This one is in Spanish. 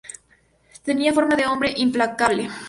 Tenía fama de hombre implacable.